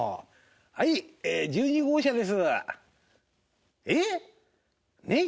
はいえ１２号車です。